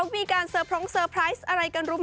มีการเตอร์พงเซอร์ไพรส์อะไรกันรู้ไหม